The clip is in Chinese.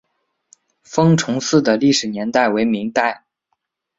封崇寺的历史年代为明代。